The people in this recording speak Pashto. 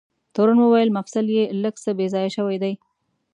تورن وویل: مفصل یې لږ څه بې ځایه شوی دی.